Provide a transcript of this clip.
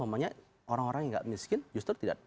orang orang yang nggak miskin justru tidak